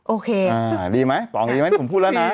โอเคดีมั้ยปองมันดีที่ผมพูดล่ะนะ